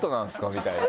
みたいな。